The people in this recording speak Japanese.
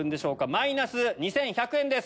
マイナス２１００円です。